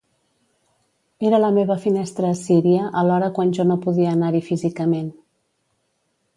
Era la meva finestra a Síria alhora quan jo no podia anar-hi físicament.